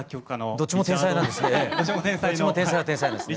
どっちも天才なんですね。